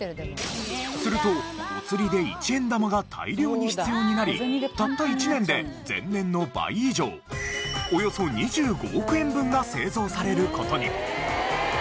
するとお釣りで１円玉が大量に必要になりたった一年で前年の倍以上およそ２５億円分が製造される事に。